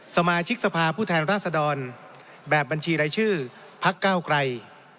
สมาชิกสภาผู้แทนราษฎรแบบบัญชีรายชื่อพักเก้าไกร